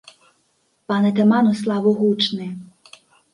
Пан атаман ў славу гучны.